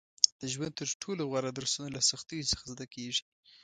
• د ژوند تر ټولو غوره درسونه له سختیو څخه زده کېږي.